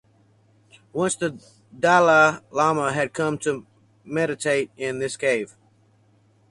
Once the Dalai Lama had come to meditate in this cave.